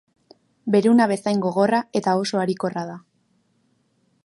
Beruna bezain gogorra eta oso harikorra da.